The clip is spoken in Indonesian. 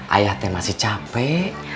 ayah teh masih capek